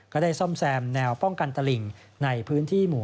ก็ได้ซ่อมแซมแนวป้องกันตลิ่งในพื้นที่หมู่